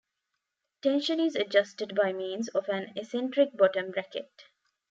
Tension is adjusted by means of an eccentric bottom bracket.